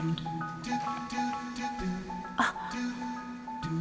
あっ。